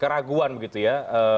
peraguan begitu ya